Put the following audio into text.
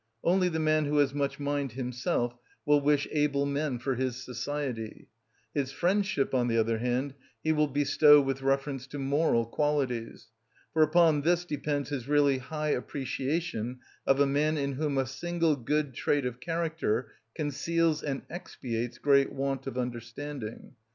Only the man who has much mind himself will wish able men for his society; his friendship, on the other hand, he will bestow with reference to moral qualities; for upon this depends his really high appreciation of a man in whom a single good trait of character conceals and expiates great want of understanding.